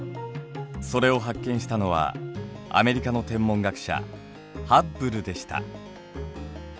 それを発見したのはアメリカの天文学者ハッブルでした。